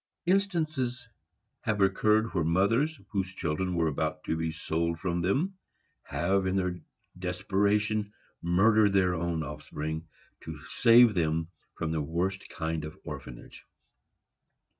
Instances have occurred where mothers, whose children were about to be sold from them, have, in their desperation, murdered their own offspring, to save them from this worst kind of orphanage.